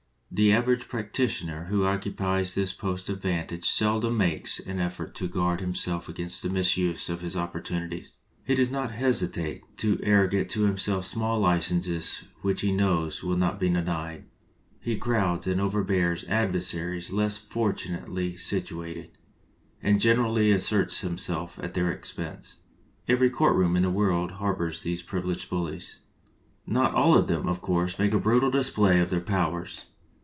The average practitioner who occupies this post of vantage seldom makes any effort to guard himself against a misuse of his opportunities. He does 184 JUDGE DAVIS AND LINCOLN not hesitate to arrogate to himself small licenses which he knows will not be denied ; he crowds and overbears adversaries less fortunately situated, and generally asserts himself at their expense. Every court room in the world harbors these privi leged bullies. Not all of them, of course, make a brutal display of their powers.